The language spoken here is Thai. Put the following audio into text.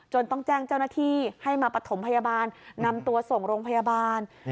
ต้องแจ้งเจ้าหน้าที่ให้มาปฐมพยาบาลนำตัวส่งโรงพยาบาล